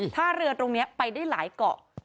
ถ้าเรือตรงนี้ไปได้หลายเกาะ